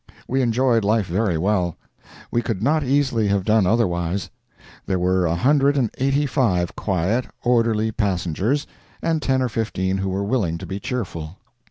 We enjoyed life very well. We could not easily have done otherwise. There were a hundred and eighty five quiet, orderly passengers, and ten or fifteen who were willing to be cheerful.